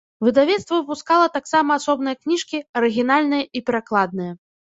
Выдавецтва выпускала таксама асобныя кніжкі, арыгінальныя і перакладныя.